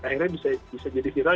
akhirnya bisa jadi viral